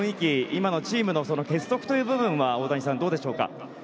今のチームの結束という部分は大谷さん、どうでしょうか。